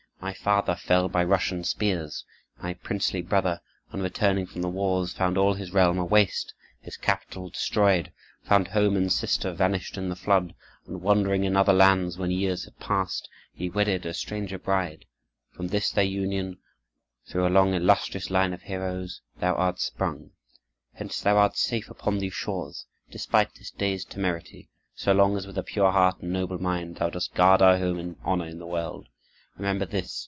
My father fell by Russian spears. My princely brother, on returning from the wars, found all his realm a waste, his capital destroyed, found home and sister vanished in the flood; and wandering in other lands, when years had passed, he wedded a stranger bride. From this their union, through a long, illustrious line of heroes, thou art sprung. Hence thou art safe upon these shores, despite this day's temerity, so long as with a pure heart and noble mind, thou dost guard our name and honor in the world. Remember this.